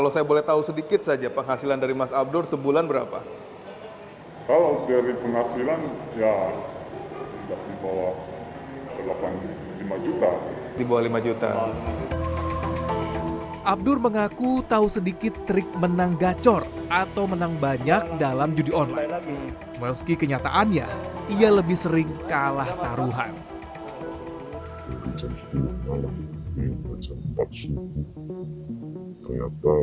saya akan coba memperagakan